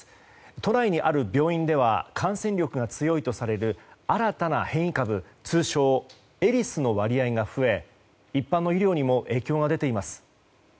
都内にある病院では感染力が強いとされる新たな変異株通称エリスの割合が増え一般の医療にも影響が出ています。